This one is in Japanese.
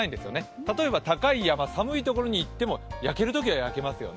例えば高い山、寒いところに行っても焼けるときは焼けますよね。